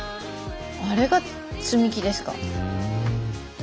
あれが積み木ですか？